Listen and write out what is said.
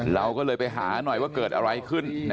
เราก็เลยไปหาหน่อยว่าเกิดอะไรขึ้น